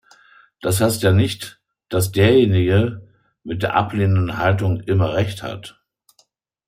Das heißt ja nicht, dass derjenige mit der ablehnenden Haltung immer Recht hat.